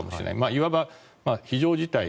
いわば非常事態